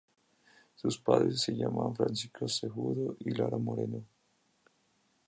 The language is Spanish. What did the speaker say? Sus padres se llamaban Francisco Cejudo y Lara Moreno.